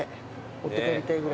持って帰りたいぐらい。